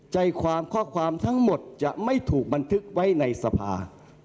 ใจความข้อความทั้งหมดจะไม่ถูกบันทึกไว้ในสภา